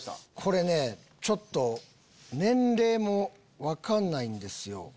これね年齢も分かんないんですよ。